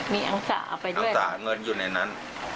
มีอังษะไปด้วยอังษะเงินอยู่ในนั้น